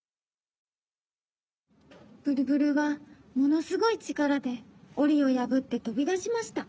ブルブルはものすごいちからでおりをやぶってとびだしました。